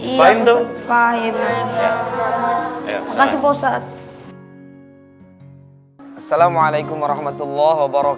itu makasih posat assalamualaikum warahmatullah wabarakatuh